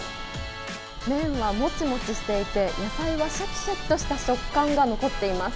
麺はもちもちしていて野菜はシャキシャキとした食感が残っています。